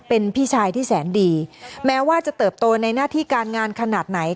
เป็นพี่ชายที่แสนดีแม้ว่าจะเติบโตในหน้าที่การงานขนาดไหน